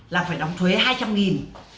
là phải đóng thuế hai trăm linh nghìn